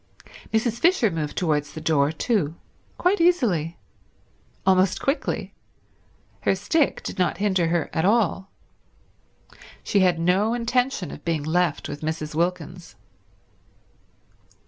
Mrs. Fisher moved towards the door too; quite easily; almost quickly; her stick did not hinder her at all. She had no intention of being left with Mrs. Wilkins.